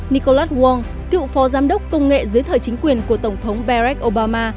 nicholas wong cựu phó giám đốc công nghệ dưới thời chính quyền của tổng thống barack obama